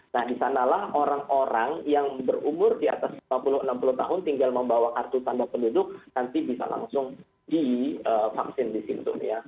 nah disanalah orang orang yang berumur di atas lima puluh enam puluh tahun tinggal membawa kartu tanda penduduk nanti bisa langsung divaksin di situ